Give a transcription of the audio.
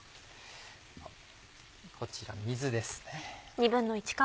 こちら水ですね。